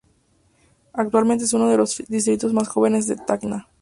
Actualmente es uno de los distritos más jóvenes de Tacna.